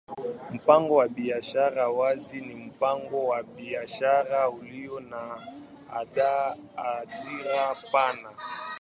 Mpango wa biashara wazi ni mpango wa biashara ulio na hadhira pana.